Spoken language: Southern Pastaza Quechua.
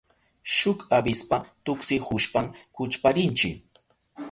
Shuk avispa tuksihushpan kuchparinchi.